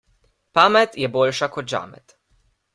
Pamet je boljša kot žamet.